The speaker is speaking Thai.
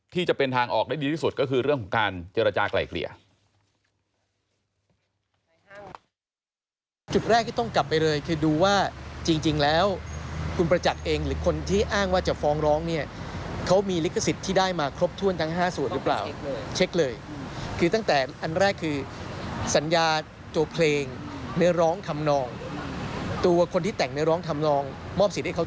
จะเป็นทางออกได้ดีที่สุดก็คือเรื่องของการเจรจากลายเกลี่ย